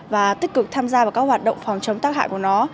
và tích cực tham gia vào các hoạt động phòng chống tác hại của nó